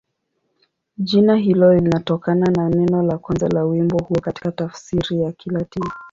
Jina hilo linatokana na neno la kwanza la wimbo huo katika tafsiri ya Kilatini.